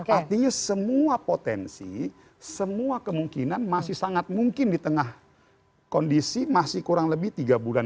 artinya semua potensi semua kemungkinan masih sangat mungkin di tengah kondisi masih kurang lebih tiga bulan